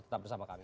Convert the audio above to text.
tetap bersama kami